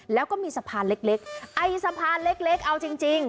แล้วก็มีสะพานเล็กไอ้สะพานเล็กเอาจริง